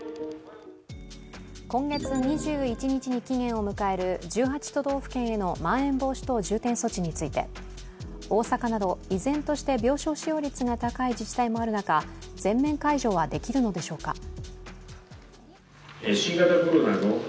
今月２１日に期限を迎える１８都道府県へのまん延防止等重点措置について、大阪など依然として病床使用率が高い自治体もある中、全面解除はできるのでしょうか。